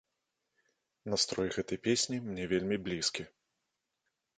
Настрой гэтай песні мне вельмі блізкі.